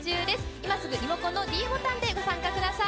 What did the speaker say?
今すぐリモコンのｄボタンでご参加ください。